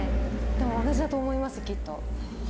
同じだと思います、きっと。